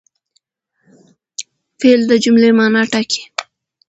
فعل د جملې مانا ټاکي.